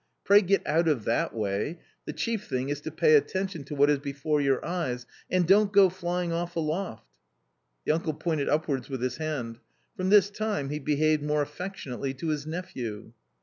Pray get out of that way; the chief thing is to pay attention to what is before your eyes, and don't go flying off aloft." The uncle pointed upwards with his hand. From this time he behaved more affectionately to his nephew.